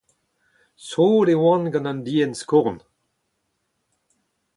sot e oan gant an dienn-skorn.